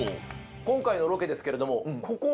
今回のロケですけれどもここは。